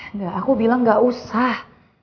nggak aku bilang nggak usah